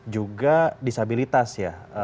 juga disabilitas ya